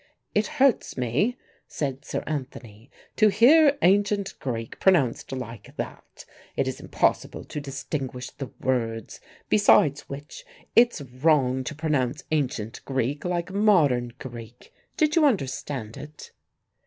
"It hurts me," said Sir Anthony, "to hear ancient Greek pronounced like that. It is impossible to distinguish the words; besides which its wrong to pronounce ancient Greek like modern Greek. Did you understand it?"